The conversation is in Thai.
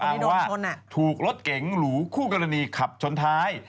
เห็นว่าถูกรถเก๋งหรูคู่กรณีขับชนท้าย